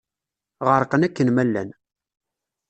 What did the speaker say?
Ɣerqen akken ma llan.